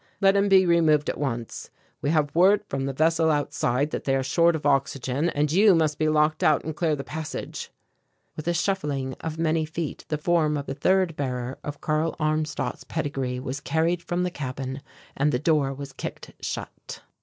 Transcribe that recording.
Let him be removed at once. We have word from the vessel outside that they are short of oxygen, and you must be locked out and clear the passage." With a shuffling of many feet the form of the third bearer of Karl Armstadt's pedigree was carried from the cabin, and the door was kicked shut.